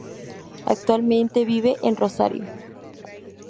Actualmente vive en Rosario.